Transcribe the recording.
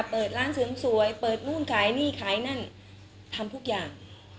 เปิดร้านเสริมสวยเปิดนู่นขายนี่ขายนั่นทำทุกอย่าง